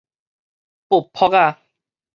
發波仔